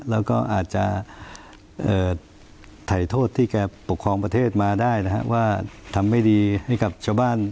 แล้วก็อาจจะถ่ายโทษที่แกปกครองประเทศมาได้นะครับว่าทำไม่ดีให้กับชาวบ้าน